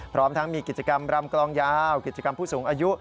พร้อมทั้งมีกิจกรรมรำกลองยาวกิจกรรมผู้สูงอายุ